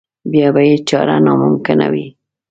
بیا به یې چاره ناممکنه وي.